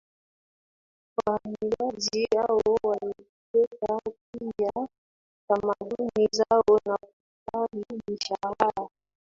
Wahamiaji hao walileta pia tamaduni zao na kukubali mishahara